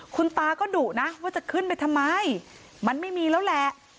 คุณตาก็ดุนะว่าจะขึ้นไปทำไมมันไม่มีแล้วแหละ